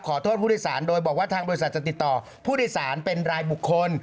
ผู้โดยสารโดยบอกว่าทางบริษัทจะติดต่อผู้โดยสารเป็นรายบุคคล